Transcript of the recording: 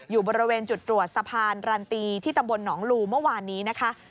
อยู่บริเวณจุดตรวจสะพานรันตีที่ตำบลหนองลูเมื่อวานนี้นะคะ